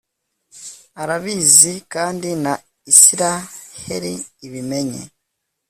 arabizi kandi na israheli ibimenye